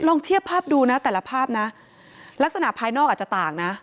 ลองเทียบภาพดูนะแต่ละภาพนะลักษณะภายนอกอาจจะต่างนะ